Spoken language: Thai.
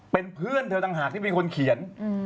เป็นเพื่อนเธอต่างหากที่เป็นคนเขียน